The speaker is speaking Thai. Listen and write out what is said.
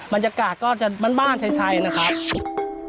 บรรยากาศก็จะบ้านไทยนะครับ